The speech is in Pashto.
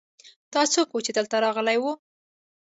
دا څوک ؤ چې دلته راغلی ؤ